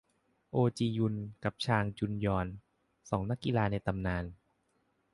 โอจียุนกับชางจุงยอง สองนักกีฬาในตำนาน